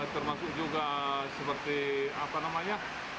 termasuk juga seperti apa namanya